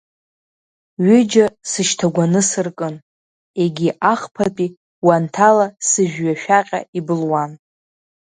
Ҩыџьа сышьҭагәаны сыркын, егьи, ахԥатәи уанҭала сыжәҩашәаҟьа ибылуан.